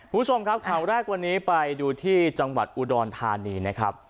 คุณผู้ชมครับข่าวแรกวันนี้ไปดูที่จังหวัดอุดรธานีนะครับ